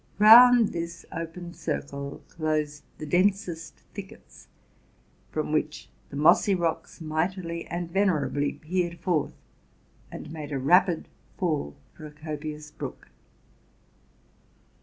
Round this open circle closed 184 TRUTH AND FICTION the densest thickets, from which the mossy rocks mightily and yenerably peered forth, and made a rapid fall for a copious brook.